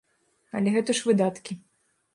Але гэта ж выдаткі.